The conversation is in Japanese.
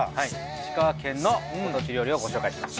石川県のご当地料理をご紹介します。